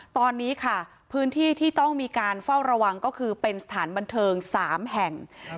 ตอนนี้ค่ะพื้นที่ที่ต้องมีการเฝ้าระวังก็คือเป็นสถานบันเทิง๓แห่ง